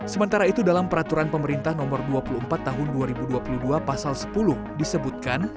sementara itu dalam peraturan pemerintah nomor dua puluh empat tahun dua ribu dua puluh dua pasal sepuluh disebutkan